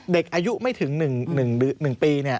เด็กอายุไม่ถึง๑ปี